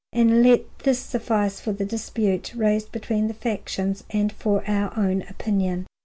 And let this suffice for the dispute raised between the factions, and for our own opinion.